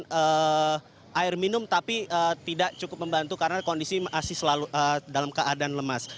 dan air minum tapi tidak cukup membantu karena kondisi masih dalam keadaan lemas